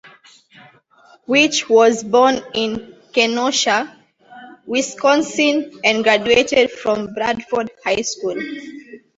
Wirch was born in Kenosha, Wisconsin and graduated from Bradford High School.